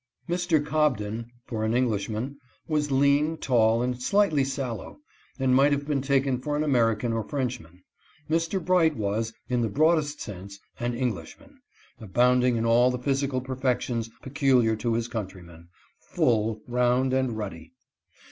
Mr. Cobden — for an Englishman — was lean, tall, and slightly sallow, and might have been taken for an American or Frenchman. Mr. Bright was, in the broadest sense, an Englishman, abounding in all the physical perfections peculiar to his countrymen — full, round and ruddy.